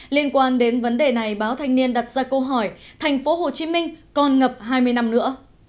liên quan đến vấn đề này báo thanh niên đặt ra câu hỏi thành phố hồ chí minh còn ngập hai mươi năm nữa